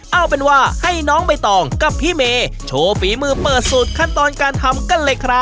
เอาเป็นว่าให้น้องใบตองกับพี่เมย์โชว์ฝีมือเปิดสูตรขั้นตอนการทำกันเลยครับ